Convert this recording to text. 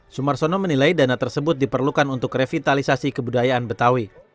sumarsono menilai dana tersebut diperlukan untuk revitalisasi kebudayaan betawi